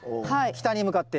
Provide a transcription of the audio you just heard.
北に向かって。